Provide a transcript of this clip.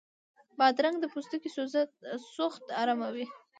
بادرنګ د پوستکي سوخت اراموي.